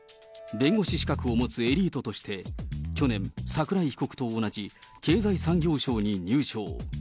弁護士資格を持つエリートとして、去年、桜井被告と同じ経済産業省に入省。